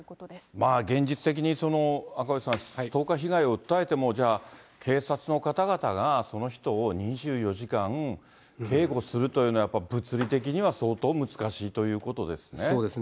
まあ、現実的に赤星さん、ストーカー被害を訴えても、じゃあ警察の方々が、その人を２４時間、警護するというのは、やっぱり物理的には相当難しいということですね。